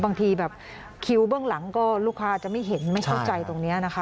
บางทีแบบคิวเบื้องหลังก็ลูกค้าจะไม่เห็นไม่เข้าใจตรงนี้นะคะ